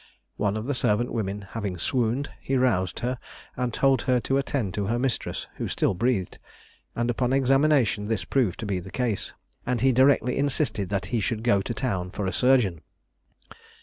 One of the servant women having swooned, he roused her, and told her to attend to her mistress, who still breathed, and upon examination this proved to be the case, and he directly insisted that he should go to town for a surgeon.